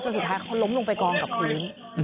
สุดท้ายเขาล้มลงไปกองกับพื้น